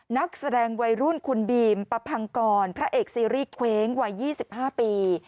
นักแสดงวัยรุ่นคุณบีมปะพังกรพระเอกซีรีส์เคว้งวัย๒๕ปี